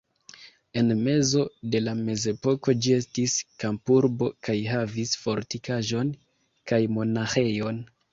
En mezo de la mezepoko ĝi estis kampurbo kaj havis fortikaĵon kaj monaĥejon.